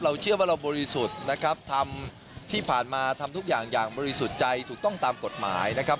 เชื่อว่าเราบริสุทธิ์นะครับทำที่ผ่านมาทำทุกอย่างอย่างบริสุทธิ์ใจถูกต้องตามกฎหมายนะครับ